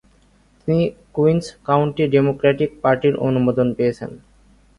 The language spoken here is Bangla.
তিনি কুইন্স কাউন্টি ডেমোক্র্যাটিক পার্টির অনুমোদন পেয়েছেন।